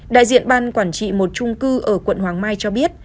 đại diện ban quản trị một trung cư ở quận hoàng mai cho biết